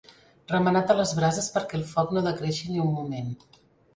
Remenat a les brases perquè el foc no decreixi ni un moment.